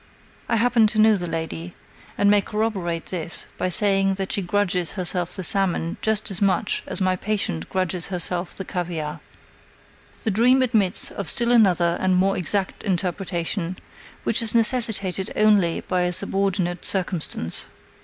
I happen to know the lady, and may corroborate this by saying that she grudges herself the salmon just as much as my patient grudges herself the caviare. The dream admits of still another and more exact interpretation, which is necessitated only by a subordinate circumstance.